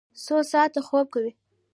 څو ساعته خوب کوئ؟